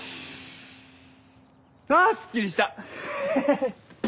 あすっきりした！ヘヘヘ。